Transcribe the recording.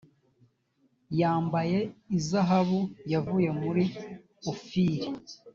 yambaye izahabu yavuye muri ofiri